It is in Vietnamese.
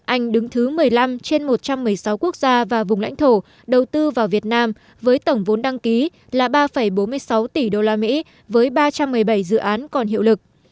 anh đứng thứ một mươi năm trên một trăm một mươi sáu quốc gia và vùng lãnh thổ đầu tư vào việt nam với tổng vốn đăng ký là ba bốn mươi sáu tỷ usd với ba trăm một mươi bảy dự án còn hiệu lực